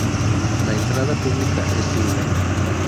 La entrada pública es libre.